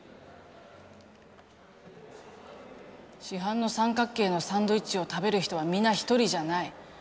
市販の三角形のサンドイッチを食べる人は皆一人じゃない。